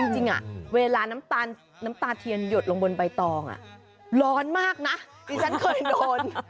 จริงเวลาน้ำตาเทียนหยดลงบนใบตองร้อนมากนะที่ฉันเคยโดน